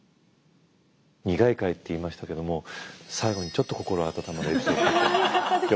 苦い回って言いましたけども最後にちょっと心温まるエピソードでよかったです。